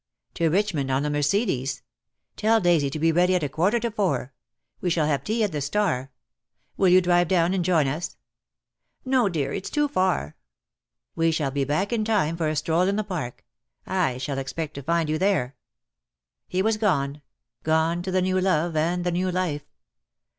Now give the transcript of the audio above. "To Richmond on the Mercedes. Tell Daisy to be ready at a quarter to four. We shall have tea at the 'Star.' Will you drive down and join us?" "No, dear, it's too far." "We shall be back in time for a stroll in the Park. I shall expect to find you there." He was gone — gone to the new love and the new life.